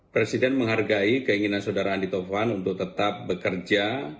presiden menghargai keinginan saudara andi taufan untuk tetap bekerja